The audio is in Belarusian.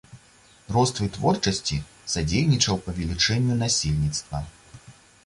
Рост вытворчасці садзейнічаў павелічэнню насельніцтва.